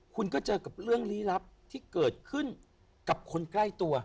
คุณก็เจอกับเรื่องลี้ลับที่เกิดขึ้นกับคนใกล้ตัว